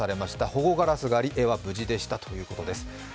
保護ガラスがあり、絵は無事でしたということです。